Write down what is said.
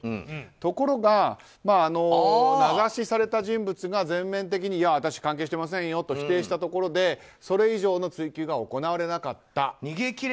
ところが、名指しされた人物が全面的に私は関係していませんよと否定したところでそれ以上の追及が行われなかった。